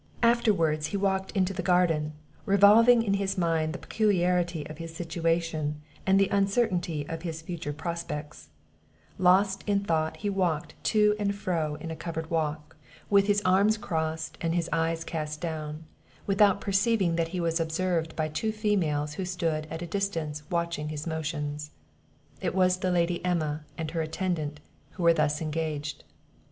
Afterwards he walked into the garden, revolving in his mind the peculiarity of his situation, and the uncertainty of his future prospects; lost in thought, he walked to and fro in a covered walk, with his arms crossed and his eyes cast down, without perceiving that he was observed by two females who stood at a distance watching his motions. It was the Lady Emma, and her attendant, who were thus engaged.